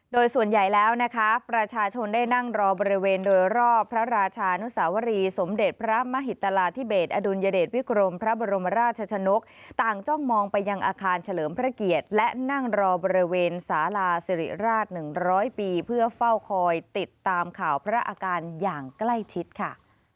โดยส่วนใหญ่แล้วนะคะประชาชนได้นั่งรอบริเวณโดยรอบพระราชานุสาวรีสมเด็จพระมหิตราธิเบสอดุลยเดชวิกรมพระบรมราชชนกต่างจ้องมองไปยังอาคารเฉลิมพระเกียรติและนั่งรอบริเวณสาราสิริราช๑๐๐ปีเพื่อเฝ้าคอยติดตามข่าวพระอาการอย่างใกล้ชิดค่ะ